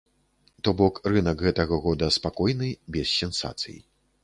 То бок рынак гэтага года спакойны, без сенсацый.